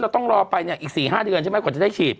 ต้องรอไปเนี่ยอีก๔๕เดือนใช่ไหมกว่าจะได้ฉีด